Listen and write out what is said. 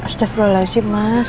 steril lah sih mas